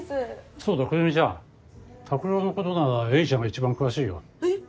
そうだくるみちゃん拓郎のことなら絵里ちゃんが一番詳しいよ。え？